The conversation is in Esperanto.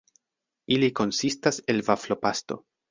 Ili konsistas el vaflo-pasto.